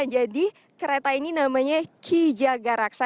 jadi kereta ini namanya ki jaga raksa